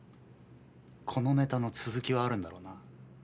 このネタの続きはあるんだろうな？